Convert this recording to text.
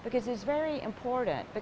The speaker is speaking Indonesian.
karena itu sangat penting